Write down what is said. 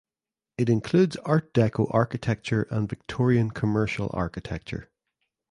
It includes Art Deco architecture and Victorian commercial architecture.